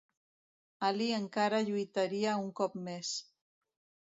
Ali encara lluitaria un cop més.